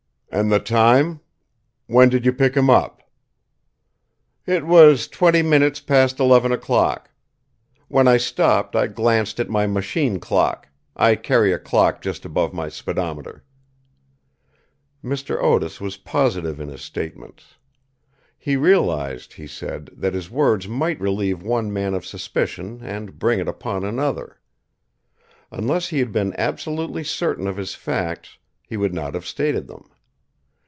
"And the time? When did you pick him up?" "It was twenty minutes past eleven o'clock. When I stopped, I glanced at my machine clock; I carry a clock just above my speedometer." Mr. Otis was positive in his statements. He realized, he said, that his words might relieve one man of suspicion and bring it upon another. Unless he had been absolutely certain of his facts, he would not have stated them.